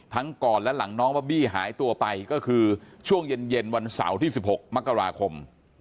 ก่อนและหลังน้องบอบบี้หายตัวไปก็คือช่วงเย็นวันเสาร์ที่๑๖มกราคม